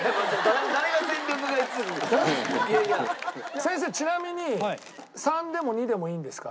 先生ちなみに３でも２でもいいんですか？